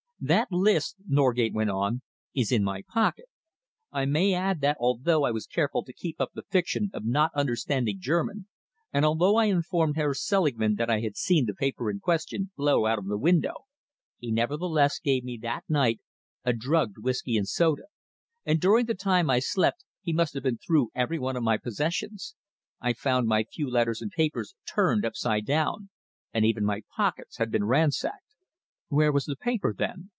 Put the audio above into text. "That list," Norgate went on, "is in my pocket. I may add that although I was careful to keep up the fiction of not understanding German, and although I informed Herr Selingman that I had seen the paper in question blow out of the window, he nevertheless gave me that night a drugged whisky and soda, and during the time I slept he must have been through every one of my possessions. I found my few letters and papers turned upside down, and even my pockets had been ransacked." "Where was the paper, then?"